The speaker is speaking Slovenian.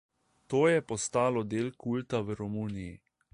To je postalo del kulta v Romuniji.